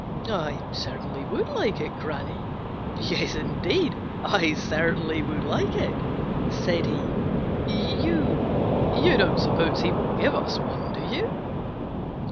"I certainly would like it, Granny. Yes, indeed, I certainly would like it," said he. "You—you don't suppose he will give us one, do you?"